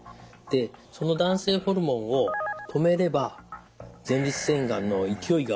その男性ホルモンを止めれば前立腺がんの勢いが収まるんですね。